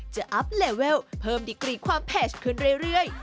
อัพเลเวลเพิ่มดิกรีความแพชขึ้นเรื่อย